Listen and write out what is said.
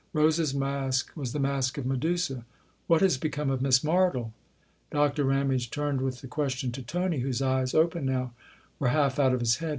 Rose's mask was the mask of Medusa. " What has become of Miss Martle ?" Dr. Ramage turned with the question to Tony, whose eyes, open now, were half out of his head.